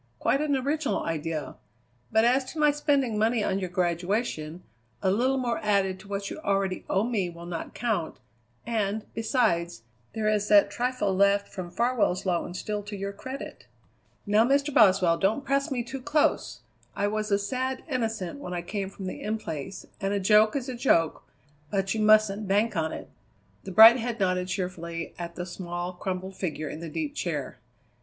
Quite an original idea. But as to my spending money on your graduation, a little more added to what you already owe me will not count, and, besides, there is that trifle left from Farwell's loan still to your credit." "Now, Mr. Boswell, don't press me too close! I was a sad innocent when I came from the In Place, and a joke is a joke, but you mustn't bank on it." The bright head nodded cheerfully at the small, crumpled figure in the deep chair.